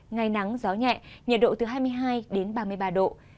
ngày nắng gió nhẹ nhiệt độ từ hai mươi hai đến ba mươi ba độ